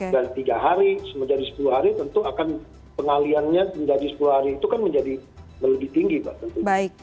dari tiga hari menjadi sepuluh hari tentu akan pengaliannya menjadi sepuluh hari itu kan menjadi lebih tinggi pak tentu